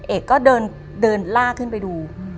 เอกก็เดินลากขึ้นไปดู